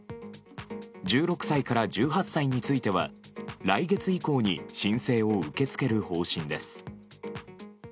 １６歳から１８歳については来月以降に申請を受け付ける方針です。